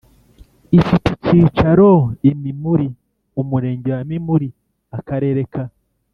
ifite icyicaro i Mimuli Umurenge wa Mimuli Akarere ka